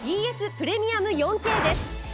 プレミアム４Ｋです。